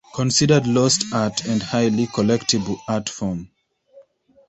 Considered lost art and highly collectible art form.